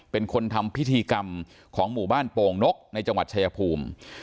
เป็นคนทำพิธีกรรมของหมู่บ้านโป่งนกในจังหวัดชายภูมิ